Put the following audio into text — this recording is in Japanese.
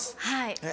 はい。